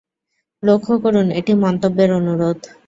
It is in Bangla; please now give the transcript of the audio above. লক্ষ্য করুন, এটি মন্তব্যের অনুরোধ।